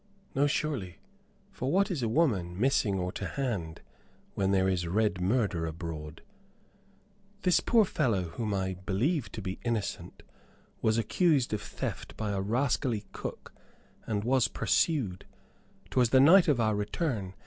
"No, surely; for what is a woman, missing or to hand, when there is red murder abroad? This poor fellow, whom I do believe to be innocent, was accused of theft by a rascally cook, and was pursued. 'Twas the night of our return.